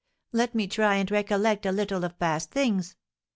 Let me try and recollect a little of past things.